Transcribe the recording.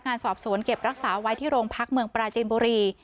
งานสอบสวนเก็บรักษาไว้ที่โรงพักเมืองปราจีนบุรี